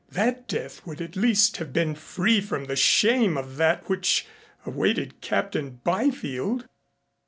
That death would at least have been free from the shame of that which awaited Captain Byfield.